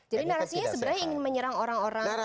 jadi narasinya sebenarnya ingin menyerang orang orang